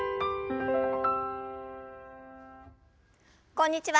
こんにちは